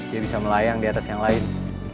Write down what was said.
dia bisa melayang di atas yang lain